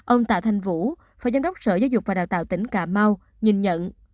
ông tạ thanh vũ phó giám đốc sở giáo dục và đào tạo tỉnh cà mau nhìn nhận